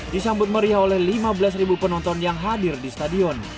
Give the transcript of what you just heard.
disambut meriah oleh lima belas penonton yang hadir di stadion